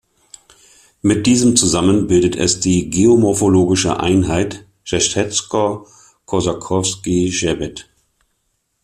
Mit diesem zusammen bildet es die geomorphologische Einheit Ještědsko-kozákovský hřbet.